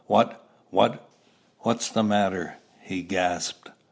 "What what what's the matter?" he gasped.